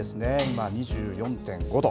今、２４．５度。